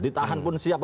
ditahan pun siapa siapa